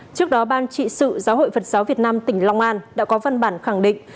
trước đó ban trị sự giáo hội phật giáo việt nam tỉnh long an đã có văn bản khẳng định